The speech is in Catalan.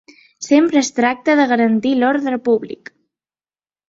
Sempre es tracta de garantir l’ordre públic.